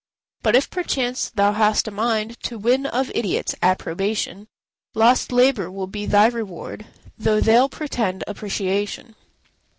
But if perchance thou hast a mind To win of idiots approbation, Lost labour will be thy reward, Though they'll pretend appreciation.